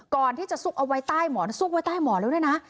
ก่อนที่จะซุกเอาไว้ใต้หมอมีซุกไว้ใต้หมอแล้วนะนะ